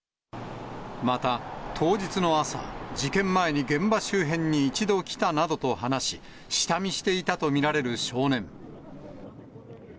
また当日の朝、事件前に現場周辺に一度来たなどと話し、下見していたと見られる少年。